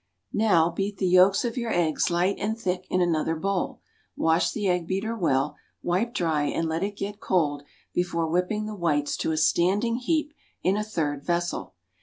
Now, beat the yolks of your eggs light and thick in another bowl; wash the egg beater well, wipe dry and let it get cold before whipping the whites to a standing heap in a third vessel.